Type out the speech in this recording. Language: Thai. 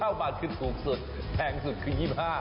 เฮ้ย๑๙บาทคือสูงสุดแพงสุดคือ๒๕